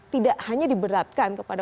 tidak hanya diberatkan kepada